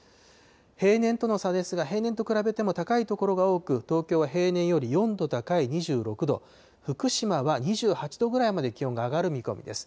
平年との差ですが、平年と比べても高い所が多く、東京は平年より４度高い２６度、福島は２８度ぐらいまで気温が上がる見込みです。